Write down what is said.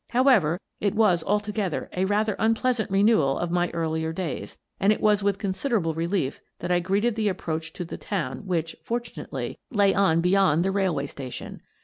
However, it was, altogether, a rather unpleasant renewal of my earlier days, and it was with considerable relief that I greeted the approach to the town which, fortu nately, lay on beyond the railway station.